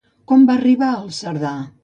Com va arribar el Cerdà?